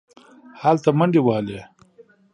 هلته منډې وهلې.